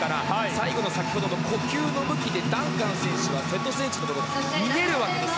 最後の先ほどの呼吸の向きでダンカン選手は瀬戸選手を見られるわけです。